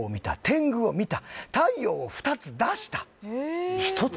「天狗を見た」「太陽を２つ出した」